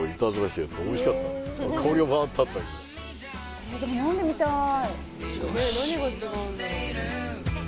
えでも飲んでみたい！